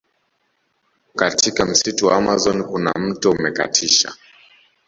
Katika msitu wa amazon kuna mto umekatisha